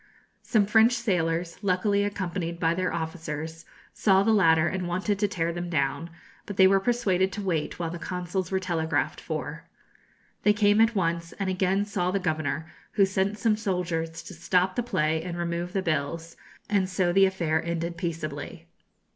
Some French sailors, luckily accompanied by their officers, saw the latter and wanted to tear them down; but they were persuaded to wait while the consuls were telegraphed for. They came at once, and again saw the governor, who sent some soldiers to stop the play and remove the bills; and so the affair ended peaceably.